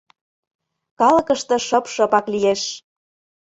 Калыкыште шып-шыпак лиеш.